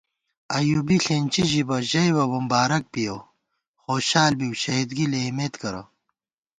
ایّوبی ݪېنچی ژِبہ ژئیبہ بُمبارَک بِیَؤ خوشال بو شہِدگی لېئیمېت کرہ